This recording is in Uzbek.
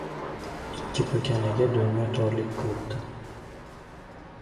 • Ikki pakanaga dunyo torlik qilibdi.